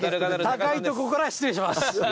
高いとこから失礼します。